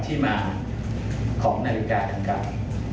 แต่ว่าอย่างขาดรายละเอียดกลีบกับที่มาของนาฬิกาดังกล่าว